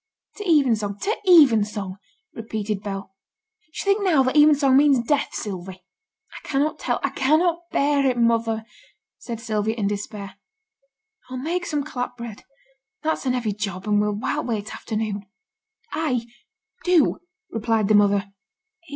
"' 'To even song to even song,' repeated Bell. 'D'ye think now that even song means death, Sylvie?' 'I cannot tell I cannot bear it. Mother,' said Sylvia, in despair, 'I'll make some clap bread: that's a heavy job, and will while away t' afternoon.' 'Ay, do!' replied the mother.